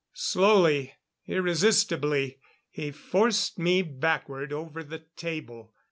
Slowly, irresistibly he forced me backward over the table.